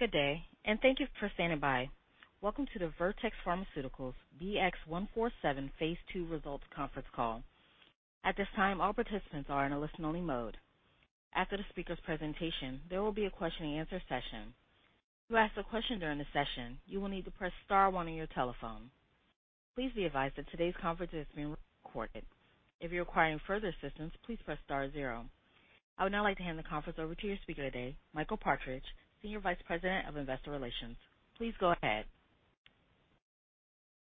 Good day, and thank you for standing by. Welcome to the Vertex Pharmaceuticals VX-147 phase II results conference call. At this time, all participants are in a listen-only mode. After the speaker's presentation, there will be a question-and-answer session. To ask a question during the session, you will need to press star one on your telephone. Please be advised that today's conference is being recorded. If you're requiring further assistance, please press star zero. I would now like to hand the conference over to your speaker today, Michael Partridge, Senior Vice President of Investor Relations. Please go ahead.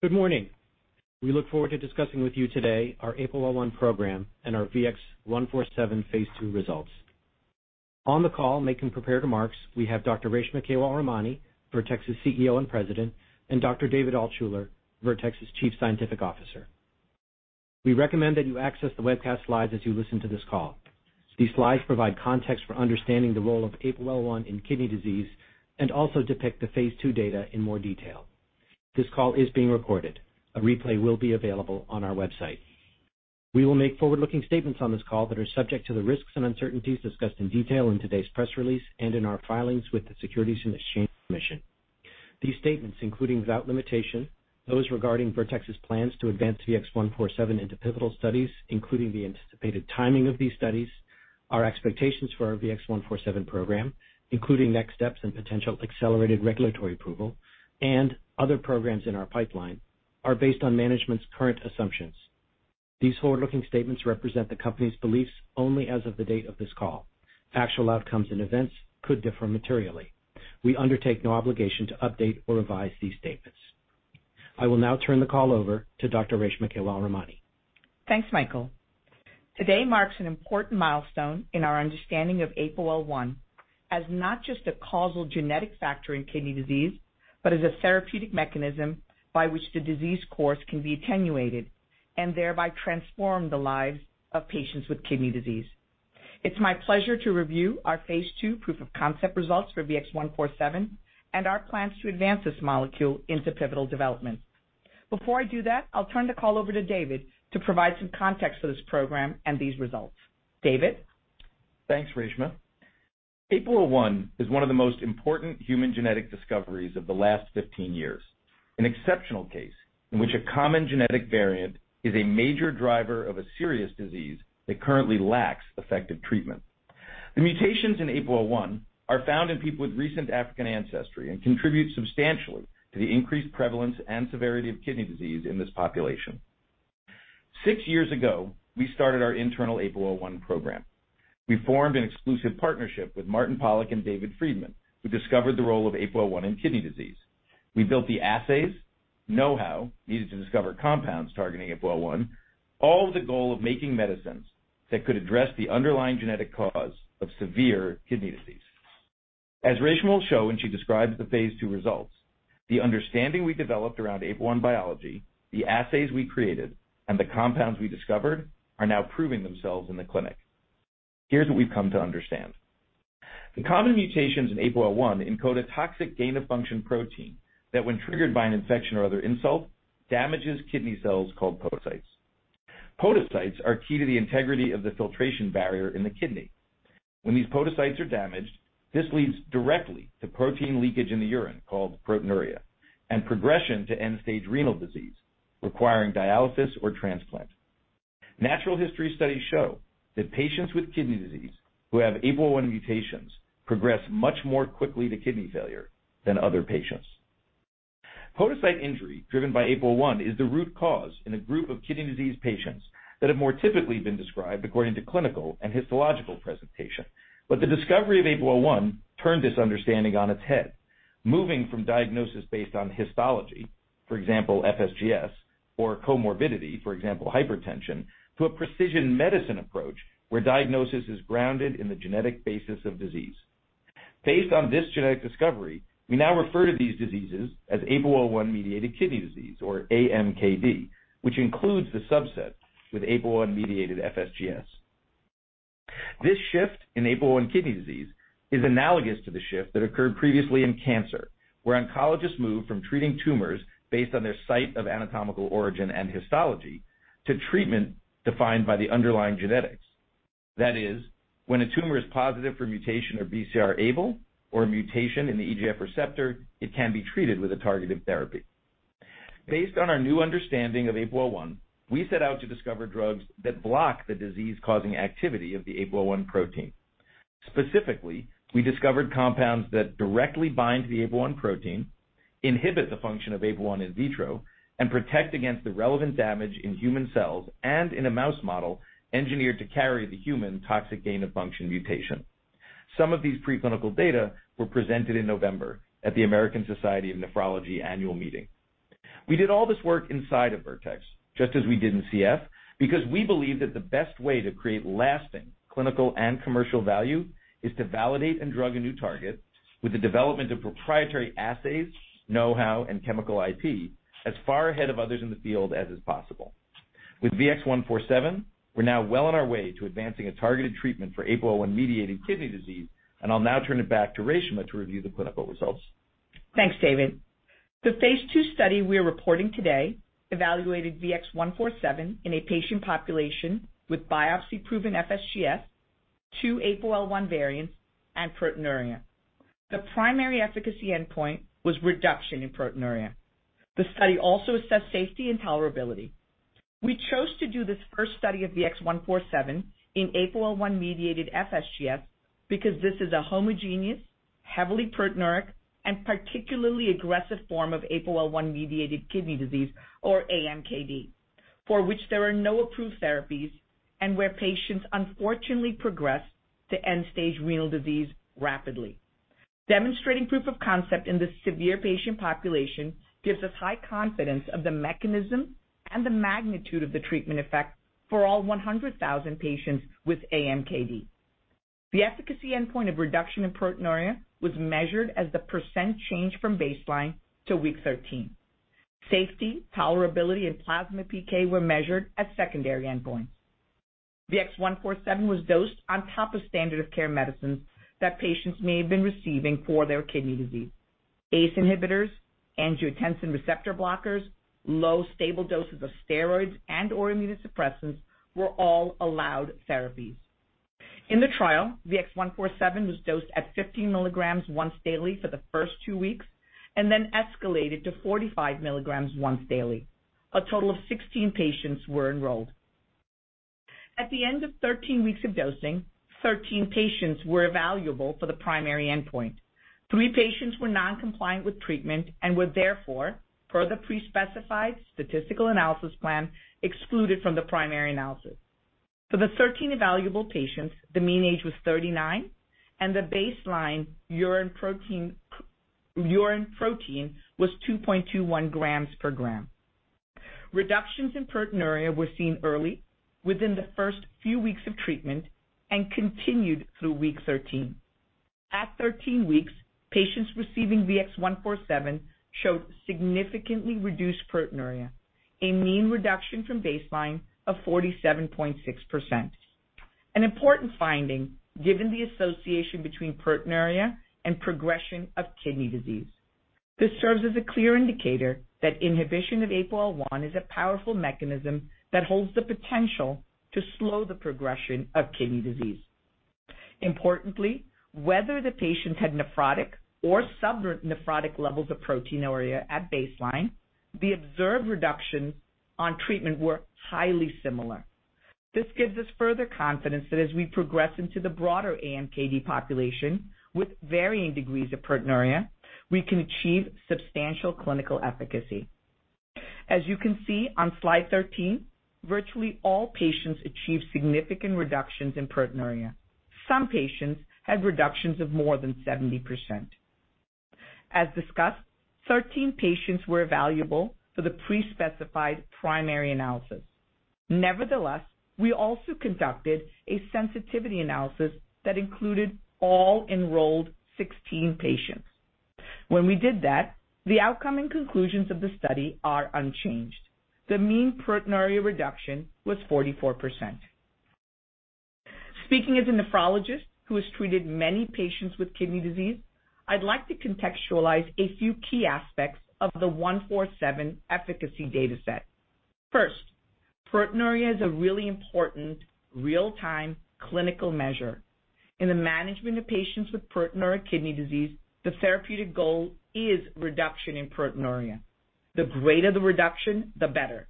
Good morning. We look forward to discussing with you today our APOL1 program and our VX-147 phase II results. On the call making prepared remarks we have Dr. Reshma Kewalramani, Vertex's CEO and President, and Dr. David Altshuler, Vertex's Chief Scientific Officer. We recommend that you access the webcast slides as you listen to this call. These slides provide context for understanding the role of APOL1 in kidney disease and also depict the phase II data in more detail. This call is being recorded. A replay will be available on our website. We will make forward-looking statements on this call that are subject to the risks and uncertainties discussed in detail in today's press release and in our filings with the Securities and Exchange Commission. These statements, including without limitation, those regarding Vertex's plans to advance VX-147 into pivotal studies, including the anticipated timing of these studies, our expectations for our VX-147 program, including next steps and potential accelerated regulatory approval, and other programs in our pipeline, are based on management's current assumptions. These forward-looking statements represent the company's beliefs only as of the date of this call. Actual outcomes and events could differ materially. We undertake no obligation to update or revise these statements. I will now turn the call over to Dr. Reshma Kewalramani. Thanks, Michael. Today marks an important milestone in our understanding of APOL1 as not just a causal genetic factor in kidney disease, but as a therapeutic mechanism by which the disease course can be attenuated and thereby transform the lives of patients with kidney disease. It's my pleasure to review our phase II proof of concept results for VX-147 and our plans to advance this molecule into pivotal development. Before I do that, I'll turn the call over to David to provide some context for this program and these results. David? Thanks, Reshma. APOL1 is one of the most important human genetic discoveries of the last 15 years. An exceptional case in which a common genetic variant is a major driver of a serious disease that currently lacks effective treatment. The mutations in APOL1 are found in people with recent African ancestry and contribute substantially to the increased prevalence and severity of kidney disease in this population. Six years ago, we started our internal APOL1 program. We formed an exclusive partnership with Martin Pollak and David Friedman, who discovered the role of APOL1 in kidney disease. We built the assays, know-how needed to discover compounds targeting APOL1, all with the goal of making medicines that could address the underlying genetic cause of severe kidney disease. As Reshma will show when she describes the phase II results, the understanding we developed around APOL1 biology, the assays we created, and the compounds we discovered are now proving themselves in the clinic. Here's what we've come to understand. The common mutations in APOL1 encode a toxic gain-of-function protein that, when triggered by an infection or other insult, damages kidney cells called podocytes. Podocytes are key to the integrity of the filtration barrier in the kidney. When these podocytes are damaged, this leads directly to protein leakage in the urine, called proteinuria, and progression to end-stage renal disease requiring dialysis or transplant. Natural history studies show that patients with kidney disease who have APOL1 mutations progress much more quickly to kidney failure than other patients. Podocyte injury driven by APOL1 is the root cause in a group of kidney disease patients that have more typically been described according to clinical and histological presentation. The discovery of APOL1 turned this understanding on its head, moving from diagnosis based on histology, for example, FSGS, or comorbidity, for example, hypertension, to a precision medicine approach where diagnosis is grounded in the genetic basis of disease. Based on this genetic discovery, we now refer to these diseases as APOL1-mediated kidney disease or AMKD, which includes the subset with APOL1-mediated FSGS. This shift in APOL1 kidney disease is analogous to the shift that occurred previously in cancer, where oncologists moved from treating tumors based on their site of anatomical origin and histology to treatment defined by the underlying genetics. That is, when a tumor is positive for mutation of BCR-ABL or a mutation in the EGF receptor, it can be treated with a targeted therapy. Based on our new understanding of APOL1, we set out to discover drugs that block the disease-causing activity of the APOL1 protein. Specifically, we discovered compounds that directly bind to the APOL1 protein, inhibit the function of APOL1 in vitro, and protect against the relevant damage in human cells and in a mouse model engineered to carry the human toxic gain-of-function mutation. Some of these preclinical data were presented in November at the American Society of Nephrology annual meeting. We did all this work inside of Vertex, just as we did in CF, because we believe that the best way to create lasting clinical and commercial value is to validate and drug a new target with the development of proprietary assays, know-how, and chemical IP as far ahead of others in the field as is possible. With VX-147, we're now well on our way to advancing a targeted treatment for APOL1-mediated kidney disease, and I'll now turn it back to Reshma to review the clinical results. Thanks, David. The phase II study we're reporting today evaluated VX-147 in a patient population with biopsy-proven FSGS, two APOL1 variants, and proteinuria. The primary efficacy endpoint was reduction in proteinuria. The study also assessed safety and tolerability. We chose to do this first study of VX-147 in APOL1-mediated FSGS because this is a homogeneous, heavy proteinuria, and particularly aggressive form of APOL1-mediated kidney disease, or AMKD, for which there are no approved therapies and where patients unfortunately progress to end-stage renal disease rapidly. Demonstrating proof of concept in the severe patient population gives us high confidence of the mechanism and the magnitude of the treatment effect for all 100,000 patients with AMKD. The efficacy endpoint of reduction in proteinuria was measured as the % change from baseline to week 13. Safety, tolerability, and plasma PK were measured as secondary endpoints. VX-147 was dosed on top of standard of care medicines that patients may have been receiving for their kidney disease. ACE inhibitors, angiotensin receptor blockers, low stable doses of steroids and/or immunosuppressants were all allowed therapies. In the trial, VX-147 was dosed at 15 mg once daily for the first two weeks and then escalated to 45 mg once daily. A total of 16 patients were enrolled. At the end of 13 weeks of dosing, 13 patients were evaluable for the primary endpoint. Three patients were noncompliant with treatment and were therefore, per the pre-specified statistical analysis plan, excluded from the primary analysis. For the 13 evaluable patients, the mean age was 39, and the baseline urine protein was 2.21 grams per gram. Reductions in proteinuria were seen early within the first few weeks of treatment and continued through week 13. At 13 weeks, patients receiving VX-147 showed significantly reduced proteinuria, a mean reduction from baseline of 47.6%. An important finding given the association between proteinuria and progression of kidney disease. This serves as a clear indicator that inhibition of APOL1 is a powerful mechanism that holds the potential to slow the progression of kidney disease. Importantly, whether the patient had nephrotic or sub-nephrotic levels of proteinuria at baseline, the observed reduction on treatment were highly similar. This gives us further confidence that as we progress into the broader AMKD population with varying degrees of proteinuria, we can achieve substantial clinical efficacy. As you can see on slide 13, virtually all patients achieved significant reductions in proteinuria. Some patients had reductions of more than 70%. As discussed, 13 patients were evaluable for the pre-specified primary analysis. Nevertheless, we also conducted a sensitivity analysis that included all enrolled 16 patients. When we did that, the outcome and conclusions of the study are unchanged. The mean proteinuria reduction was 44%. Speaking as a nephrologist who has treated many patients with kidney disease, I'd like to contextualize a few key aspects of the 147 efficacy data set. First, proteinuria is a really important real-time clinical measure. In the management of patients with proteinuria kidney disease, the therapeutic goal is reduction in proteinuria. The greater the reduction, the better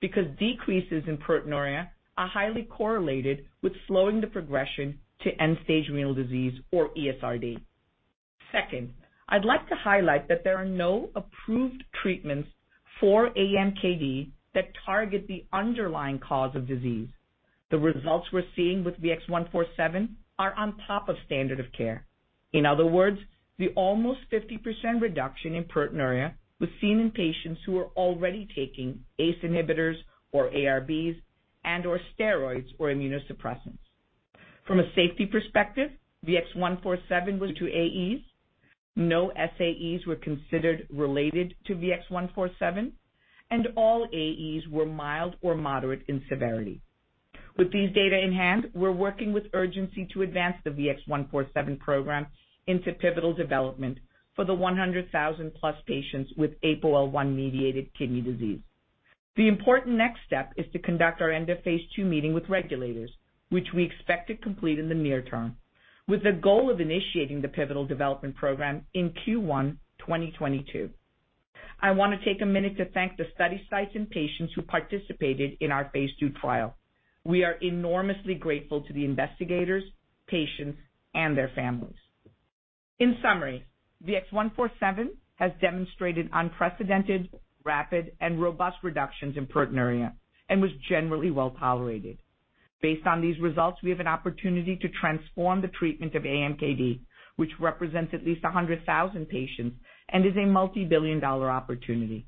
because decreases in proteinuria are highly correlated with slowing the progression to end-stage renal disease or ESRD. Second, I'd like to highlight that there are no approved treatments for AMKD that target the underlying cause of disease. The results we're seeing with VX-147 are on top of standard of care. In other words, the almost 50% reduction in proteinuria was seen in patients who were already taking ACE inhibitors or ARBs and/or steroids or immunosuppressants. From a safety perspective, VX-147 was well tolerated. No SAEs were considered related to VX-147, and all AEs were mild or moderate in severity. With these data in hand, we're working with urgency to advance the VX-147 program into pivotal development for the 100,000+ patients with APOL1-mediated kidney disease. The important next step is to conduct our end of phase II meeting with regulators, which we expect to complete in the near term, with the goal of initiating the pivotal development program in Q1 2022. I wanna take a minute to thank the study sites and patients who participated in our phase II trial. We are enormously grateful to the investigators, patients, and their families. In summary, VX-147 has demonstrated unprecedented, rapid, and robust reductions in proteinuria and was generally well-tolerated. Based on these results, we have an opportunity to transform the treatment of AMKD, which represents at least 100,000 patients and is a multibillion-dollar opportunity.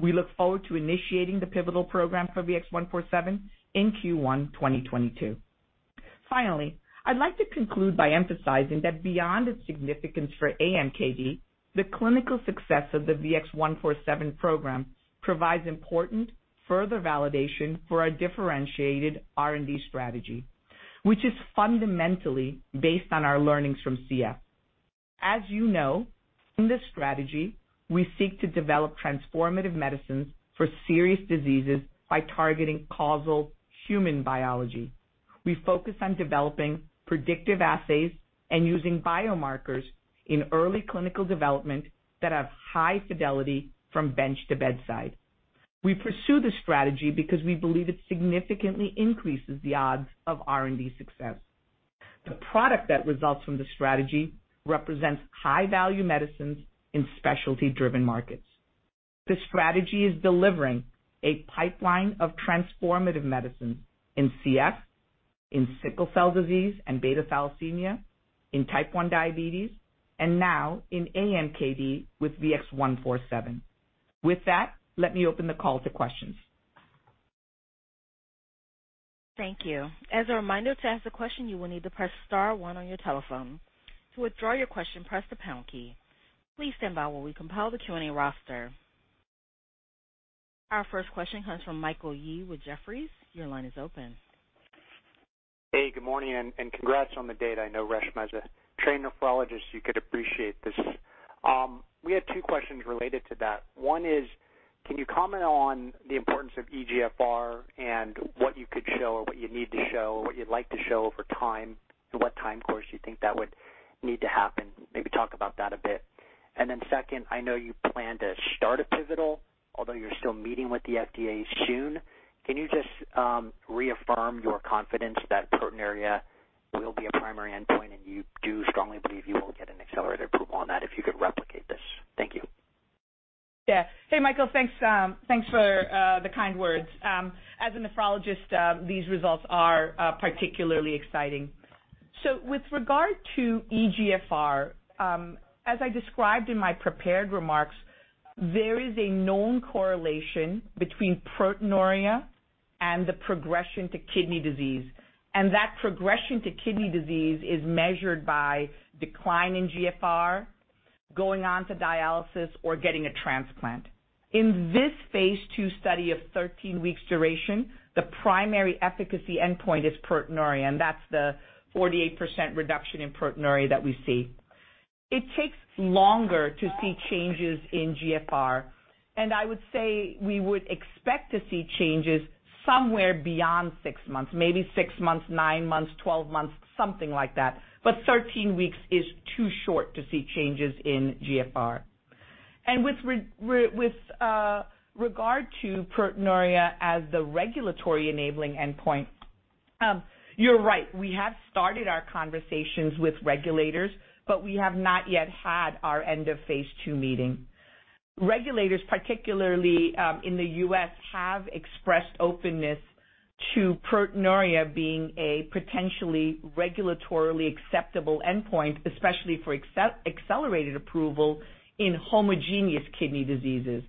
We look forward to initiating the pivotal program for VX-147 in Q1 2022. Finally, I'd like to conclude by emphasizing that beyond its significance for AMKD, the clinical success of the VX-147 program provides important further validation for our differentiated R&D strategy, which is fundamentally based on our learnings from CF. As you know, in this strategy, we seek to develop transformative medicines for serious diseases by targeting causal human biology. We focus on developing predictive assays and using biomarkers in early clinical development that have high fidelity from bench to bedside. We pursue this strategy because we believe it significantly increases the odds of R&D success. The product that results from the strategy represents high-value medicines in specialty-driven markets. This strategy is delivering a pipeline of transformative medicines in CF, in sickle cell disease and beta thalassemia, in type 1 diabetes, and now in AMKD with VX-147. With that, let me open the call to questions. Thank you. As a reminder, to ask a question, you will need to press star one on your telephone. To withdraw your question, press the pound key. Please stand by while we compile the Q&A roster. Our first question comes from Michael Yee with Jefferies. Your line is open. Hey, good morning and congrats on the data. I know Reshma is a trained nephrologist. You could appreciate this. We had two questions related to that. One is, can you comment on the importance of eGFR and what you could show or what you need to show or what you'd like to show over time and what time course you think that would need to happen? Maybe talk about that a bit. Then second, I know you plan to start a pivotal, although you're still meeting with the FDA soon. Can you just reaffirm your confidence that proteinuria will be a primary endpoint and you do strongly believe you will get an accelerated approval on that if you could replicate this? Thank you. Yeah. Hey, Michael. Thanks for the kind words. As a nephrologist, these results are particularly exciting. With regard to eGFR, as I described in my prepared remarks, there is a known correlation between proteinuria and the progression to kidney disease. That progression to kidney disease is measured by decline in GFR, going on to dialysis or getting a transplant. In this phase II study of 13 weeks duration, the primary efficacy endpoint is proteinuria, and that's the 48% reduction in proteinuria that we see. It takes longer to see changes in GFR, and I would say we would expect to see changes somewhere beyond six months, maybe six months, nine months, 12 months, something like that. 13 weeks is too short to see changes in GFR. With regard to proteinuria as the regulatory enabling endpoint, you're right. We have started our conversations with regulators, but we have not yet had our end-of-phase II meeting. Regulators, particularly in the U.S., have expressed openness to proteinuria being a potentially regulatorily acceptable endpoint, especially for accelerated approval in homogeneous kidney diseases.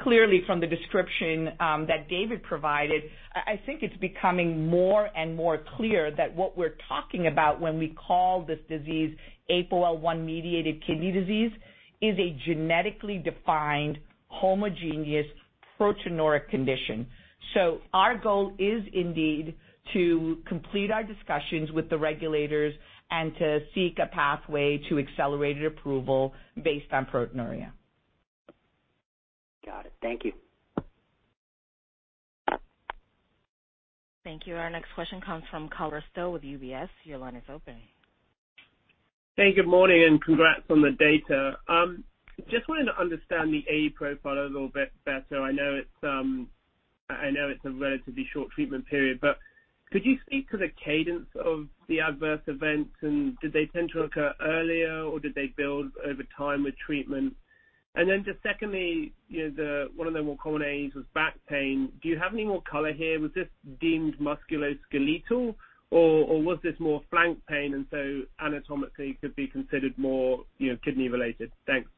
Clearly from the description that David provided, I think it's becoming more and more clear that what we're talking about when we call this disease APOL1-mediated kidney disease is a genetically defined homogeneous proteinuria condition. Our goal is indeed to complete our discussions with the regulators and to seek a pathway to accelerated approval based on proteinuria. Got it. Thank you. Thank you. Our next question comes from Colin Bristow with UBS. Your line is open. Hey, good morning and congrats on the data. Just wanted to understand the AE profile a little bit better. I know it's a relatively short treatment period, but could you speak to the cadence of the adverse events, and did they tend to occur earlier, or did they build over time with treatment? Then just secondly, you know, one of the more common AEs was back pain. Do you have any more color here? Was this deemed musculoskeletal, or was this more flank pain and so anatomically could be considered more, you know, kidney-related? Thanks.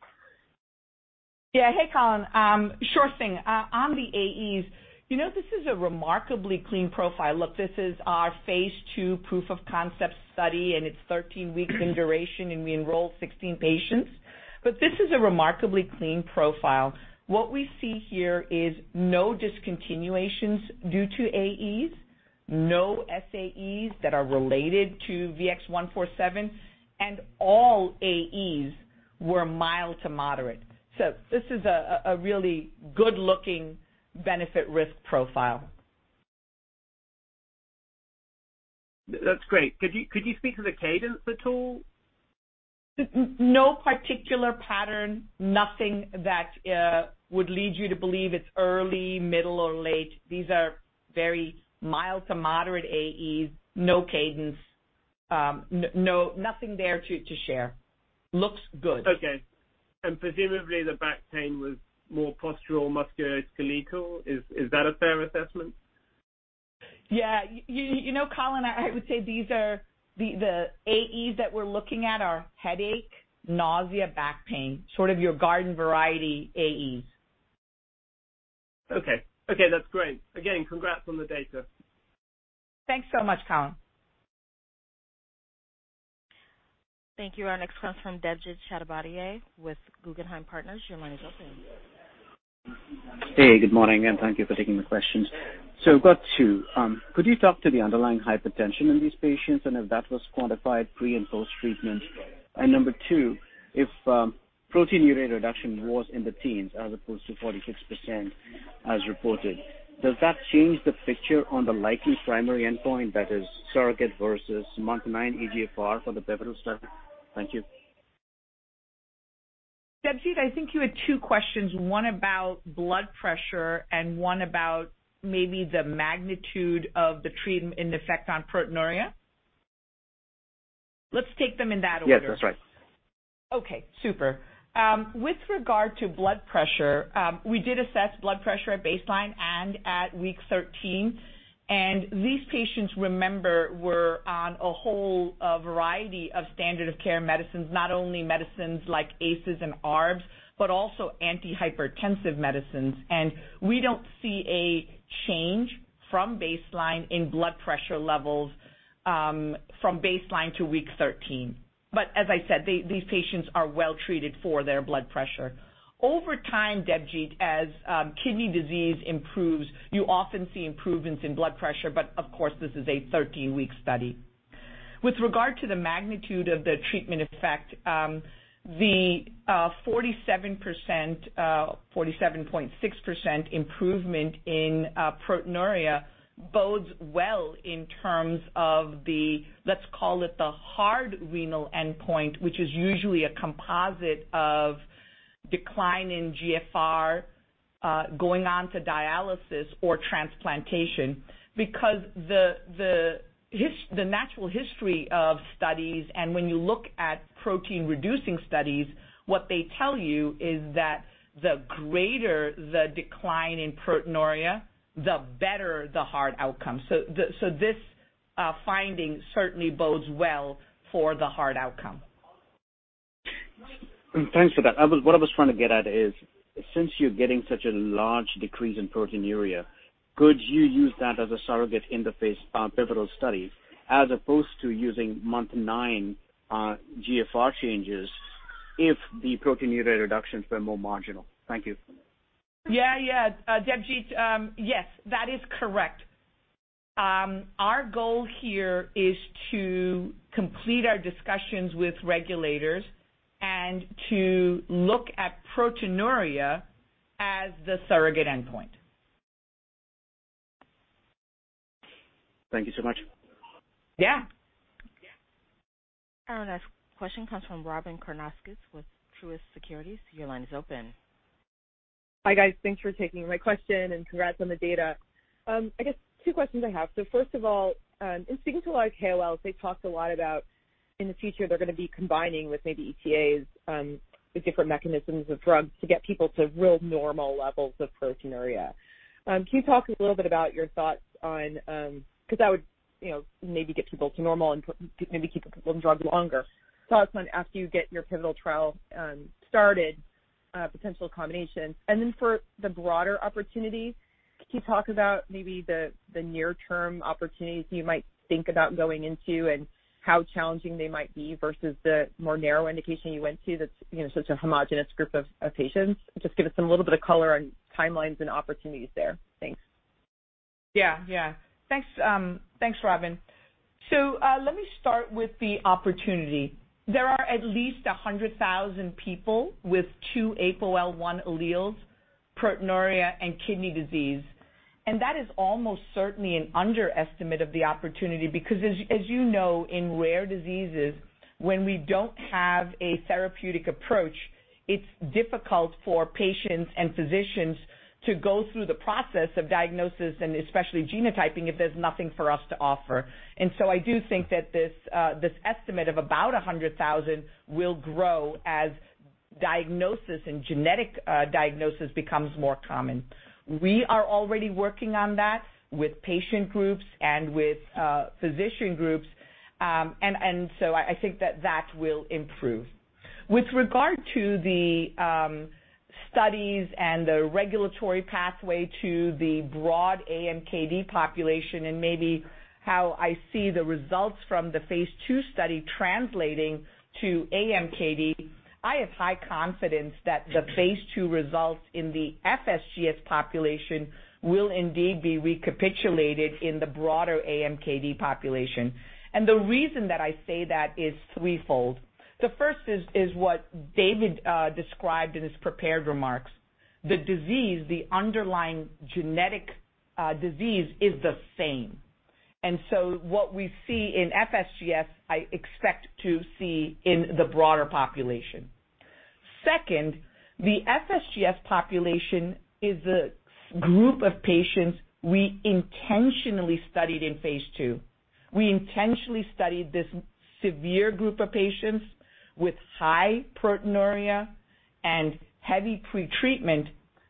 Yeah. Hey, Colin. Sure thing. On the AEs, you know, this is a remarkably clean profile. Look, this is our phase II proof of concept study, and it's 13 weeks in duration, and we enrolled 16 patients. This is a remarkably clean profile. What we see here is no discontinuations due to AEs, no SAEs that are related to VX-147, and all AEs were mild to moderate. This is a really good-looking benefit risk profile. That's great. Could you speak to the cadence at all? No particular pattern, nothing that would lead you to believe it's early, middle or late. These are very mild to moderate AEs. No cadence. No, nothing there to share. Looks good. Okay. Presumably the back pain was more postural musculoskeletal. Is that a fair assessment? Yeah. You know, Colin, I would say these are the AEs that we're looking at are headache, nausea, back pain, sort of your garden variety AEs. Okay. Okay, that's great. Again, congrats on the data. Thanks so much, Colin. Thank you. Our next comes from Debjit Chattopadhyay with Guggenheim Partners. Your line is open. Hey, good morning, and thank you for taking the questions. I've got two. Could you talk to the underlying hypertension in these patients and if that was quantified pre and post-treatment? And number two, if proteinuria reduction was in the teens as opposed to 46% as reported, does that change the picture on the likely primary endpoint that is surrogate versus month nine eGFR for the pivotal study? Thank you. Debjit, I think you had two questions, one about blood pressure and one about maybe the magnitude of the treatment and effect on proteinuria. Let's take them in that order. Yes, that's right. Okay, super. With regard to blood pressure, we did assess blood pressure at baseline and at week 13. These patients, remember, were on a whole variety of standard of care medicines. Not only medicines like ACEs and ARBs, but also antihypertensive medicines. We don't see a change from baseline in blood pressure levels, from baseline to week 13. As I said, these patients are well treated for their blood pressure. Over time, Debjit, as kidney disease improves, you often see improvements in blood pressure. Of course, this is a 13-week study. With regard to the magnitude of the treatment effect, the 47.6% improvement in proteinuria bodes well in terms of the, let's call it, the hard renal endpoint, which is usually a composite of decline in GFR, going on to dialysis or transplantation. Because the natural history of studies, and when you look at protein-reducing studies, what they tell you is that the greater the decline in proteinuria, the better the hard outcome. This finding certainly bodes well for the hard outcome. Thanks for that. What I was trying to get at is, since you're getting such a large decrease in proteinuria, could you use that as a surrogate in the phase pivotal studies as opposed to using month 9 GFR changes if the proteinuria reductions were more marginal? Thank you. Yeah, yeah. Debjit, yes, that is correct. Our goal here is to complete our discussions with regulators and to look at proteinuria as the surrogate endpoint. Thank you so much. Yeah. Our next question comes from Robyn Karnauskas with Truist Securities. Your line is open. Hi, guys. Thanks for taking my question, and congrats on the data. I guess two questions I have. First of all, in things like KOL, they talked a lot about in the future they're going to be combining with maybe ETAs, the different mechanisms of drugs to get people to real normal levels of proteinuria. Can you talk a little bit about your thoughts on 'cause that would, you know, maybe get people to normal and maybe keeping people on drugs longer. Thoughts on after you get your pivotal trial started, potential combinations. For the broader opportunity, can you talk about maybe the near-term opportunities you might think about going into and how challenging they might be versus the more narrow indication you went to that's, you know, such a homogenous group of patients? Just give us a little bit of color on timelines and opportunities there. Thanks. Yeah, yeah. Thanks, Robyn. Let me start with the opportunity. There are at least 100,000 people with two APOL1 alleles, proteinuria, and kidney disease. That is almost certainly an underestimate of the opportunity because as you know, in rare diseases, when we don't have a therapeutic approach, it is difficult for patients and physicians to go through the process of diagnosis and especially genotyping if there is nothing for us to offer. I do think that this estimate of about 100,000 will grow as diagnosis and genetic diagnosis becomes more common. We are already working on that with patient groups and with physician groups, and so I think that that will improve. With regard to the studies and the regulatory pathway to the broad AMKD population and maybe how I see the results from the phase II study translating to AMKD, I have high confidence that the phase II results in the FSGS population will indeed be recapitulated in the broader AMKD population. The reason that I say that is threefold. The first is what David described in his prepared remarks. The disease, the underlying genetic disease is the same. What we see in FSGS, I expect to see in the broader population. Second, the FSGS population is a group of patients we intentionally studied in phase II. We intentionally studied this severe group of patients with high proteinuria and heavy pretreatment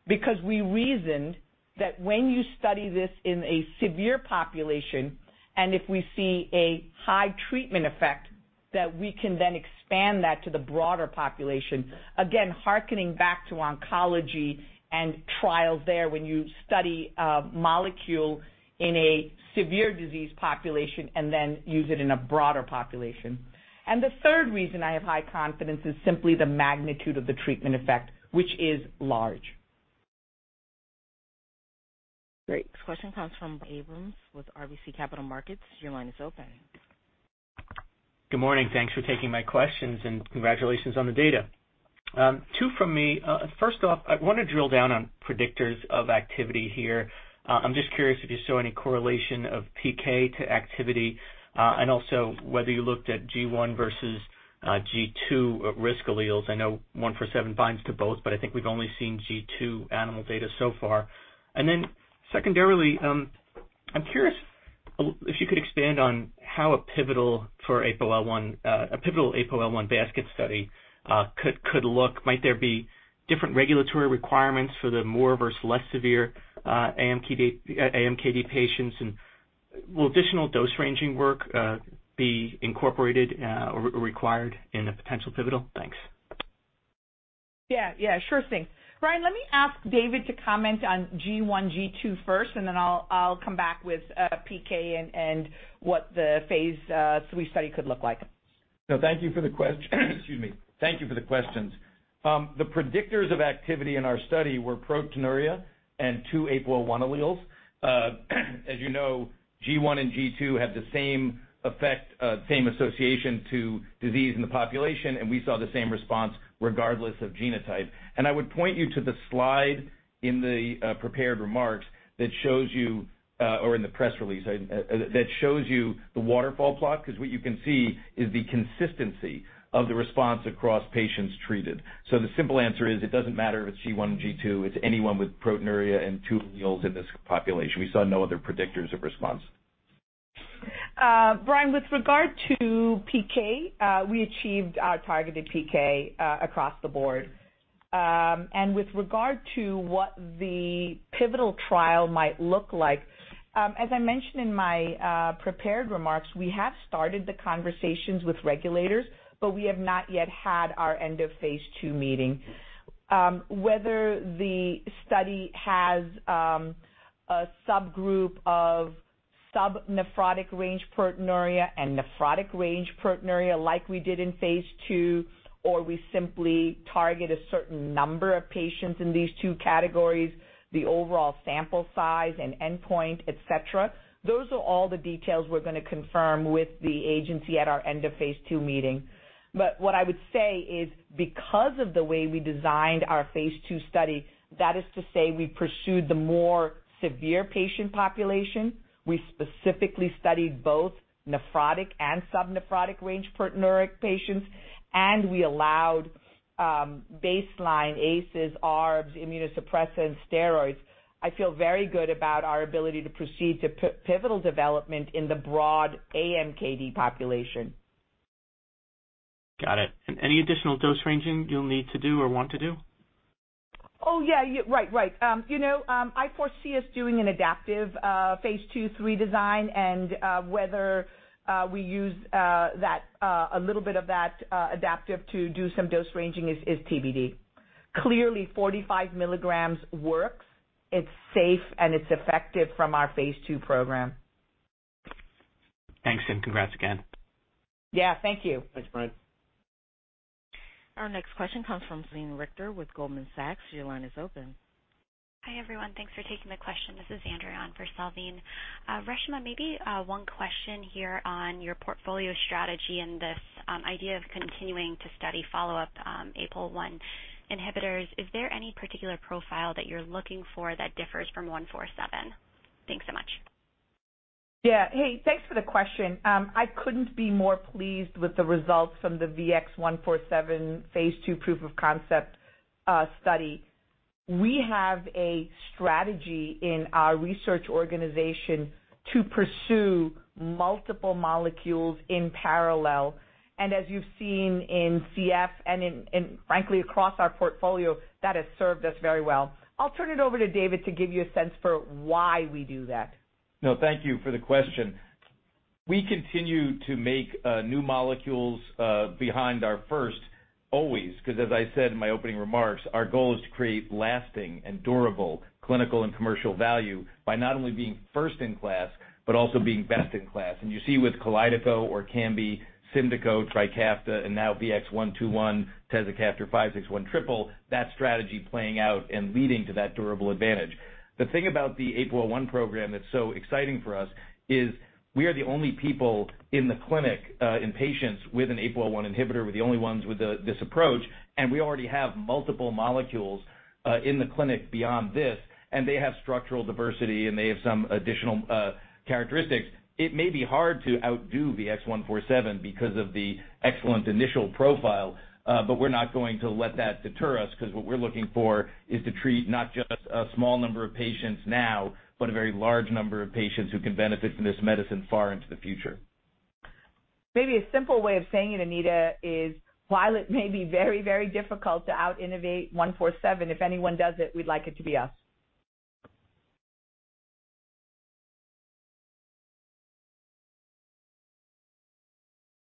because we reasoned that when you study this in a severe population and if we see a high treatment effect, that we can then expand that to the broader population. Again, hearkening back to oncology and trials there when you study a molecule in a severe disease population and then use it in a broader population. The third reason I have high confidence is simply the magnitude of the treatment effect, which is large. Great. Next question comes from Brian Abrahams with RBC Capital Markets. Your line is open. Good morning. Thanks for taking my questions and congratulations on the data. Two from me. First off, I want to drill down on predictors of activity here. I'm just curious if you saw any correlation of PK to activity, and also whether you looked at G1 versus G2 risk alleles. I know VX-147 binds to both, but I think we've only seen G2 animal data so far. Secondarily, I'm curious if you could expand on how a pivotal for APOL1, a pivotal APOL1 basket study, could look. Might there be different regulatory requirements for the more versus less severe AMKD patients? Will additional dose ranging work be incorporated or required in a potential pivotal? Thanks. Yeah. Sure thing. Brian, let me ask David to comment on G1, G2 first, and then I'll come back with PK and what the phase III study could look like. No, thank you for the questions. The predictors of activity in our study were proteinuria and two APOL1 alleles. As you know, G1 and G2 have the same effect, same association to disease in the population, and we saw the same response regardless of genotype. I would point you to the slide in the prepared remarks that shows you, or in the press release, that shows you the waterfall plot, because what you can see is the consistency of the response across patients treated. The simple answer is it doesn't matter if it's G1, G2, it's anyone with proteinuria and two alleles in this population. We saw no other predictors of response. Brian, with regard to PK, we achieved our targeted PK across the board. With regard to what the pivotal trial might look like, as I mentioned in my prepared remarks, we have started the conversations with regulators, but we have not yet had our end-of-phase II meeting. Whether the study has a subgroup of subnephrotic range proteinuria and nephrotic range proteinuria like we did in phase II, or we simply target a certain number of patients in these two categories, the overall sample size and endpoint, et cetera, those are all the details we're gonna confirm with the agency at our end-of-phase II meeting. What I would say is, because of the way we designed our phase II study, that is to say, we pursued the more severe patient population. We specifically studied both nephrotic and subnephrotic range proteinuria patients, and we allowed baseline ACEs, ARBs, immunosuppressants, steroids. I feel very good about our ability to proceed to pivotal development in the broad AMKD population. Got it. Any additional dose ranging you'll need to do or want to do? Oh, yeah. Right. You know, I foresee us doing an adaptive phase II/III design and whether we use that a little bit of that adaptive to do some dose ranging is TBD. Clearly, 45 milligrams works. It's safe, and it's effective from our phase II program. Thanks, and congrats again. Yeah, thank you. Thanks, Brian. Our next question comes from Salveen Richter with Goldman Sachs. Your line is open. Hi, everyone. Thanks for taking the question. This is Andrea on for Salveen. Reshma, maybe one question here on your portfolio strategy and this idea of continuing to study follow-up APOL1 inhibitors. Is there any particular profile that you're looking for that differs from VX-147? Thanks so much. Yeah. Hey, thanks for the question. I couldn't be more pleased with the results from the VX-147 phase II proof of concept study. We have a strategy in our research organization to pursue multiple molecules in parallel. As you've seen in CF and frankly, across our portfolio, that has served us very well. I'll turn it over to David to give you a sense for why we do that. No, thank you for the question. We continue to make new molecules behind our first always, because as I said in my opening remarks, our goal is to create lasting and durable clinical and commercial value by not only being first in class, but also being best in class. You see with KALYDECO, ORKAMBI, SYMDEKO, TRIKAFTA, and now VX-121, VX-561 triple, that strategy playing out and leading to that durable advantage. The thing about the APOL1 program that's so exciting for us is we are the only people in the clinic in patients with an APOL1 inhibitor. We're the only ones with this approach, and we already have multiple molecules in the clinic beyond this, and they have structural diversity, and they have some additional characteristics. It may be hard to outdo VX-147 because of the excellent initial profile, but we're not going to let that deter us because what we're looking for is to treat not just a small number of patients now, but a very large number of patients who can benefit from this medicine far into the future. Maybe a simple way of saying it, Andrea, is while it may be very, very difficult to out-innovate VX-147, if anyone does it, we'd like it to be us.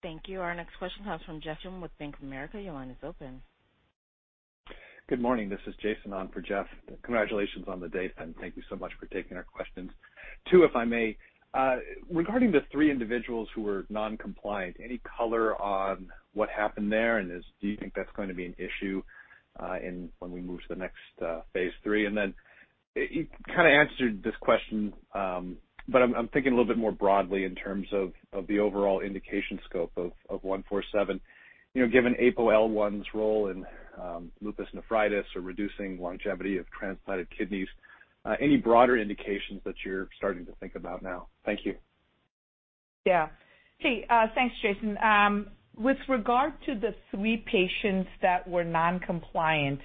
Thank you. Our next question comes from Jason with Bank of America. Your line is open. Good morning. This is Jason on for Jeff. Congratulations on the data, and thank you so much for taking our questions. Two, if I may. Regarding the three individuals who were non-compliant, any color on what happened there, and do you think that's going to be an issue when we move to the next phase III? You kinda answered this question, but I'm thinking a little bit more broadly in terms of the overall indication scope of 147. You know, given APOL1's role in lupus nephritis or reducing longevity of transplanted kidneys, any broader indications that you're starting to think about now? Thank you. Yeah. See, thanks, Jason. With regard to the three patients that were non-compliant,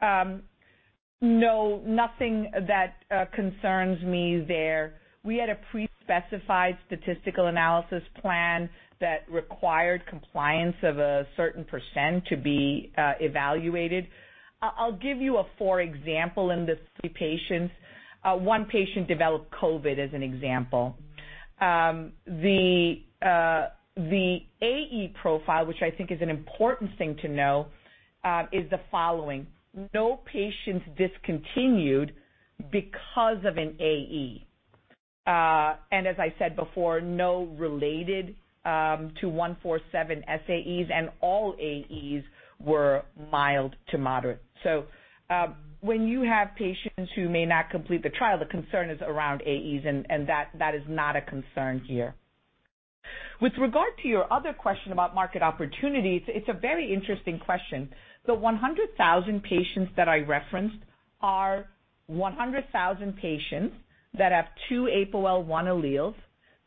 no, nothing that concerns me there. We had a pre-specified statistical analysis plan that required compliance of a certain percent to be evaluated. I'll give you, for example, in the three patients. One patient developed COVID as an example. The AE profile, which I think is an important thing to know, is the following. No patients discontinued because of an AE. As I said before, no related to VX-147 SAEs, and all AEs were mild to moderate. When you have patients who may not complete the trial, the concern is around AEs and that is not a concern here. With regard to your other question about market opportunities, it's a very interesting question. The 100,000 patients that I referenced are 100,000 patients that have two APOL1 alleles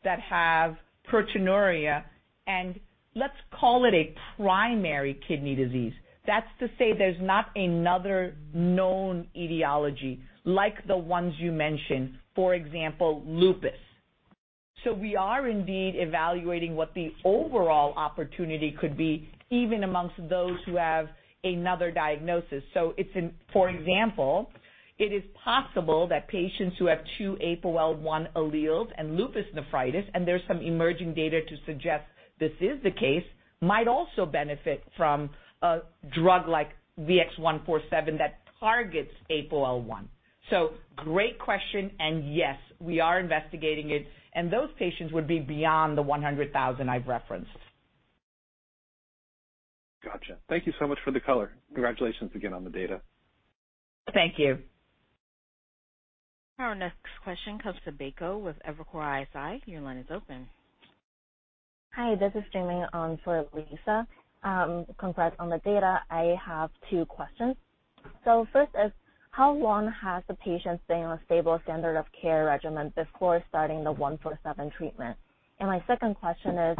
that have proteinuria and let's call it a primary kidney disease. That's to say there's not another known etiology like the ones you mentioned, for example, lupus. We are indeed evaluating what the overall opportunity could be even amongst those who have another diagnosis. It's, for example, it is possible that patients who have two APOL1 alleles and lupus nephritis, and there's some emerging data to suggest this is the case, might also benefit from a drug like VX-147 that targets APOL1. Great question, and yes, we are investigating it, and those patients would be beyond the 100,000 I've referenced. Gotcha. Thank you so much for the color. Congratulations again on the data. Thank you. Our next question comes to Umer Raffat with Evercore ISI. Your line is open. Hi, this is Jingming on for Lisa. Congrats on the data. I have two questions. First is, how long has the patient been on a stable standard of care regimen before starting the VX-147 treatment? My second question is,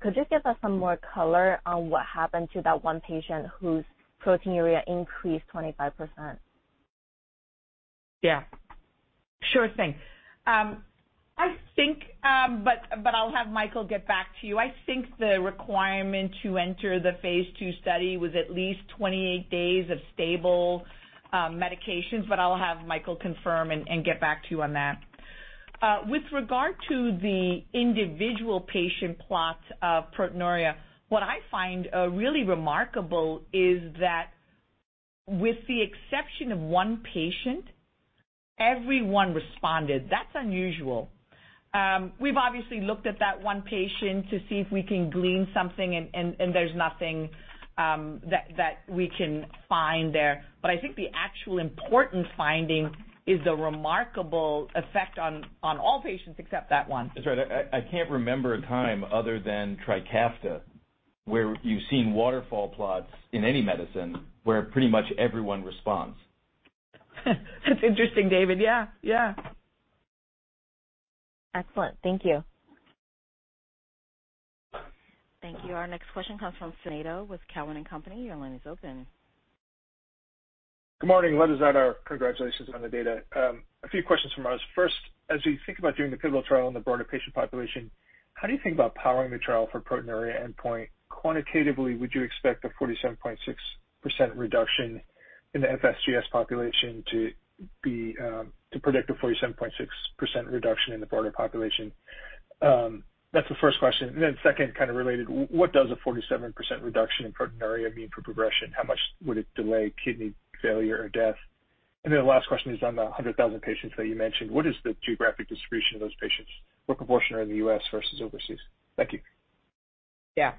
could you give us some more color on what happened to that one patient whose proteinuria increased 25%? Yeah. Sure thing. I think, but I'll have Michael get back to you. I think the requirement to enter the phase II study was at least 28 days of stable medications. I'll have Michael confirm and get back to you on that. With regard to the individual patient plots of proteinuria, what I find really remarkable is that with the exception of one patient, everyone responded. That's unusual. We've obviously looked at that one patient to see if we can glean something and there's nothing that we can find there. I think the actual important finding is the remarkable effect on all patients except that one. That's right. I can't remember a time other than TRIKAFTA where you've seen waterfall plots in any medicine where pretty much everyone responds. That's interesting, David. Yeah. Yeah. Excellent. Thank you. Thank you. Our next question comes from Phil Nadeau with Cowen and Company. Your line is open. Good morning. Let us add our congratulations on the data. A few questions from us. First, as you think about doing the pivotal trial in the broader patient population, how do you think about powering the trial for proteinuria endpoint? Quantitatively, would you expect a 47.6% reduction in the FSGS population to predict a 47.6% reduction in the broader population? That's the first question. Second, kind of related, what does a 47% reduction in proteinuria mean for progression? How much would it delay kidney failure or death? The last question is on the 100,000 patients that you mentioned. What is the geographic distribution of those patients? What proportion are in the U.S. versus overseas? Thank you. Yeah.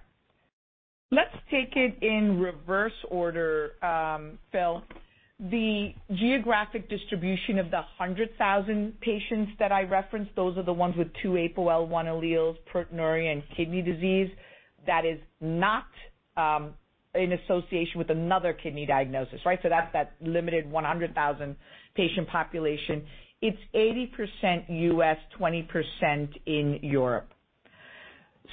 Let's take it in reverse order, Phil. The geographic distribution of the 100,000 patients that I referenced, those are the ones with two APOL1 alleles, proteinuria, and kidney disease that is not in association with another kidney diagnosis, right? That's that limited 100,000 patient population. It's 80% U.S., 20% in Europe.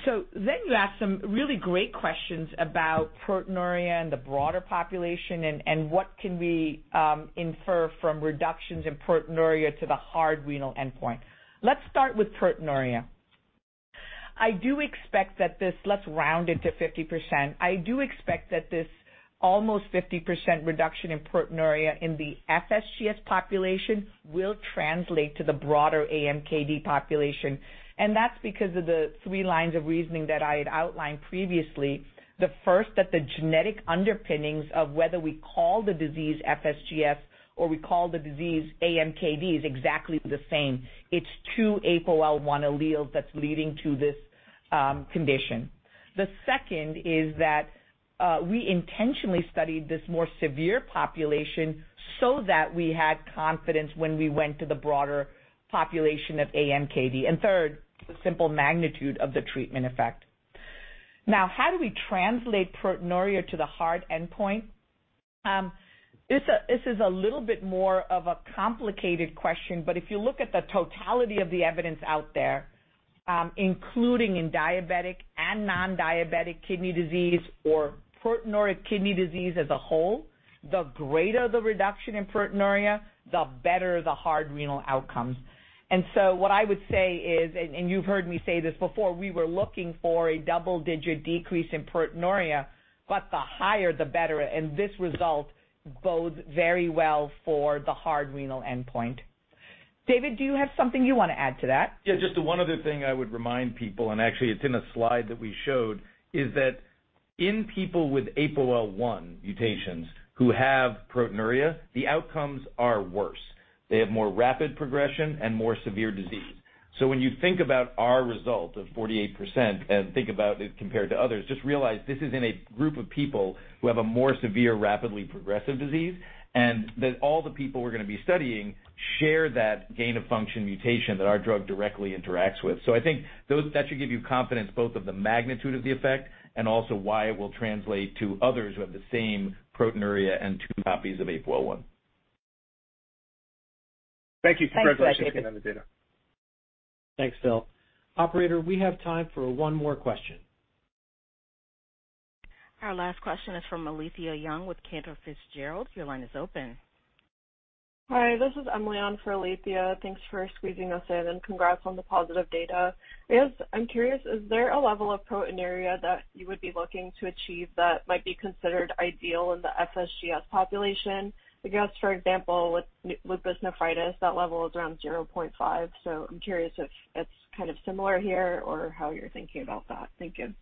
You ask some really great questions about proteinuria in the broader population and what can we infer from reductions in proteinuria to the hard renal endpoint. Let's start with proteinuria. I do expect that this—let's round it to 50%. I do expect that this almost 50% reduction in proteinuria in the FSGS population will translate to the broader AMKD population, and that's because of the three lines of reasoning that I had outlined previously. The first, that the genetic underpinnings of whether we call the disease FSGS or we call the disease AMKD is exactly the same. It's two APOL1 alleles that's leading to this condition. The second is that we intentionally studied this more severe population so that we had confidence when we went to the broader population of AMKD. Third, the simple magnitude of the treatment effect. Now, how do we translate proteinuria to the hard endpoint? This is a little bit more of a complicated question, but if you look at the totality of the evidence out there, including in diabetic and nondiabetic kidney disease or proteinuria kidney disease as a whole, the greater the reduction in proteinuria, the better the hard renal outcomes. What I would say is, and you've heard me say this before, we were looking for a double-digit decrease in proteinuria, but the higher the better, and this result bodes very well for the hard renal endpoint. David, do you have something you wanna add to that? Yeah, just one other thing I would remind people, and actually it's in a slide that we showed, is that in people with APOL1 mutations who have proteinuria, the outcomes are worse. They have more rapid progression and more severe disease. When you think about our result of 48% and think about it compared to others, just realize this is in a group of people who have a more severe, rapidly progressive disease, and that all the people we're gonna be studying share that gain-of-function mutation that our drug directly interacts with. I think that should give you confidence both of the magnitude of the effect and also why it will translate to others who have the same proteinuria and two copies of APOL1. Thanks, David. Thank you for Thanks, Phil. Congratulations on the data. Thanks, Phil. Operator, we have time for one more question. Our last question is from Alethia Young with Cantor Fitzgerald. Your line is open. Hi, this is Emily on for Alethia. Thanks for squeezing us in, and congrats on the positive data. Yes, I'm curious, is there a level of proteinuria that you would be looking to achieve that might be considered ideal in the FSGS population? I guess, for example, with lupus nephritis, that level is around 0.5. I'm curious if it's kind of similar here or how you're thinking about that. Thank you.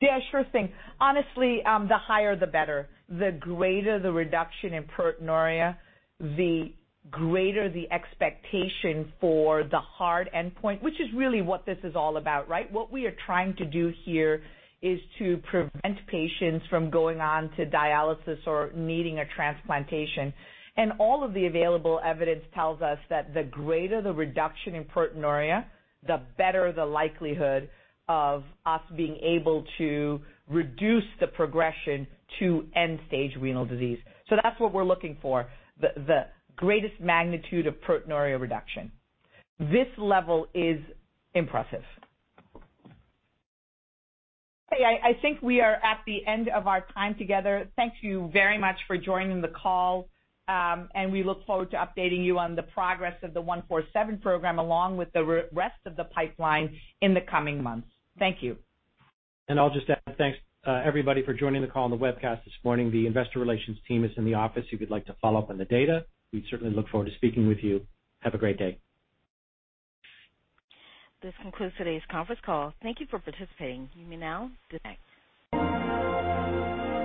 Yeah, sure thing. Honestly, the higher the better. The greater the reduction in proteinuria, the greater the expectation for the hard endpoint, which is really what this is all about, right? What we are trying to do here is to prevent patients from going on to dialysis or needing a transplantation. All of the available evidence tells us that the greater the reduction in proteinuria, the better the likelihood of us being able to reduce the progression to end-stage renal disease. That's what we're looking for, the greatest magnitude of proteinuria reduction. This level is impressive. Okay, I think we are at the end of our time together. Thank you very much for joining the call, and we look forward to updating you on the progress of the VX-147 program, along with the rest of the pipeline in the coming months. Thank you. I'll just add, thanks, everybody for joining the call and the webcast this morning. The investor relations team is in the office if you'd like to follow up on the data. We certainly look forward to speaking with you. Have a great day. This concludes today's conference call. Thank you for participating. You may now disconnect.